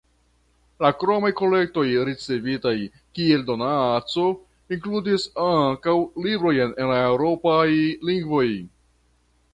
La kromaj kolektoj ricevitaj kiel donaco inkludis ankaŭ librojn en eŭropaj lingvoj.